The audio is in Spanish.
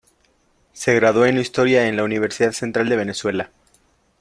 Se graduó en historia en la Universidad Central de Venezuela.